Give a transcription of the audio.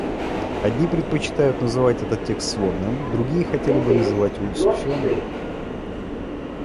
Одни предпочитают называть этот текст сводным, другие хотели бы называть его дискуссионным.